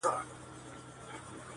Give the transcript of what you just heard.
بختور وي چي یې زه غیږي ته ورسم.!